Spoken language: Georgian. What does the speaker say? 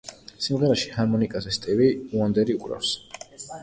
სიმღერაში ჰარმონიკაზე სტივი უანდერი უკრავს.